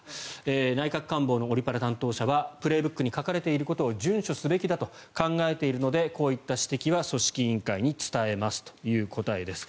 内閣官房のオリ・パラ担当者は「プレーブック」に書かれていることを順守すべきだと考えているのでこういった指摘は組織委員会に伝えますという答えです。